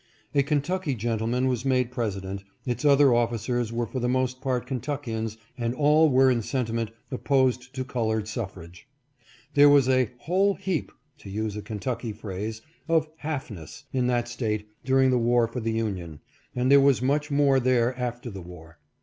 A Kentucky gentleman was made president. Its other officers were for the most part Kentuckians and all were in sentiment op posed to colored suffrage. There was a " whole heap " (to use a Kentucky phrase) of " halfness " in that State dur ing the war for the Union, and there was much more there after the war.